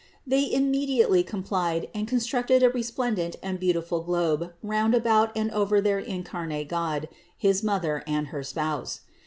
They immediately com plied and constructed a resplendent and beautiful globe round about and over their incarnate God, his Mother and her spouse.